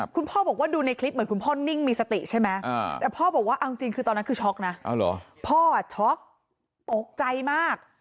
คุณพ่อบอกว่าดูในคลิปเหมือนคุณพ่อนิ่งมีสติใช่ไหมแต่พ่อบอกว่าเอาจริงคือตอนนั้นคือช็อกนะพ่อช็อกตกใจมาก